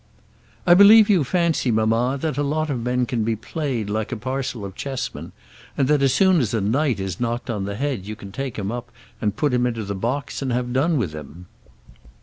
"I believe you fancy, mamma, that a lot of men can be played like a parcel of chessmen, and that as soon as a knight is knocked on the head you can take him up and put him into the box and have done with him."